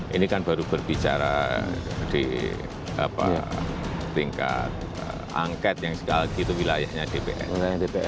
ini kan baru berbicara di tingkat angket yang segala gitu wilayahnya dpr